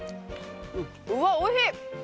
うわおいしい！